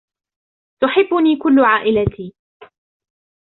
تحبني كل عائلتي.